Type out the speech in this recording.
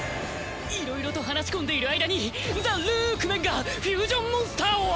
いろいろと話し込んでいる間にザ・ルークメンがフュージョンモンスターを！